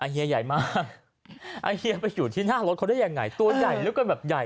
ใหญ่มาก